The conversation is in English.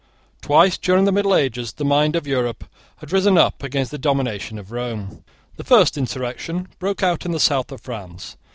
Twice during the middle ages the mind of Europe had risen up against the domination of Rome. The first insurrection broke out in the south of France.